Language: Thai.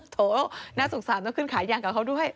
โน่าสงสารต้องขึ้นขายยางกับเขาด้วย